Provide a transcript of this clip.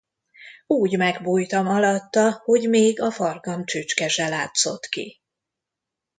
Úgy megbújtam alatta, hogy még a farkam csücske se látszott ki.